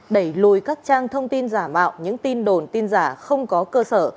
đẩy lùi các trang thông tin giả mạo những tin đồn tin giả không có cơ sở